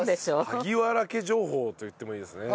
萩原家情報と言ってもいいですね。